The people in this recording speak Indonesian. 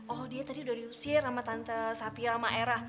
oh dia tadi udah diusir sama tante sapira maera